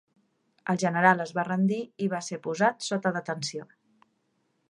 El general es va rendir i va ser posat sota detenció.